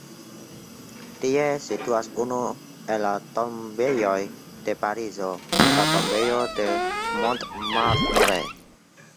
Tie situas unu el la tombejoj de Parizo, la tombejo de Montmartre.